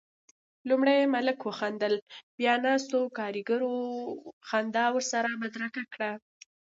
لومړی ملک وخندل، بيا ناستو کاريګرو خندا ورسره بدرګه کړه.